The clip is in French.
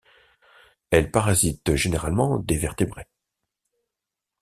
Elles parasitent généralement des vertébrés.